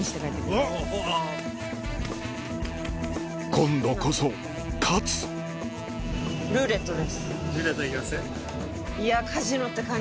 今度こそ勝つルーレットでいきます？